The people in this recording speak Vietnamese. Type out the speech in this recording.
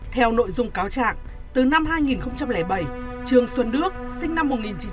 theo nội dung cáo trạng từ năm hai nghìn bảy trương xuân đước sinh năm một nghìn chín trăm bảy mươi một